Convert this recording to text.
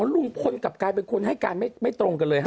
อ๋อลุงค้นกับการเป็นคนให้การไม่ตรงกันเลย๕ครั้ง